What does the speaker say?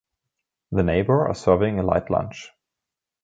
The neighbor are serving a light lunch.